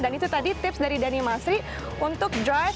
dan itu tadi tips dari dhani masri untuk drive